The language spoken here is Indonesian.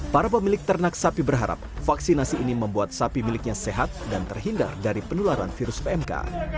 para pemilik ternak sapi berharap vaksinasi ini membuat sapi miliknya sehat dan terhindar dari penularan virus pmk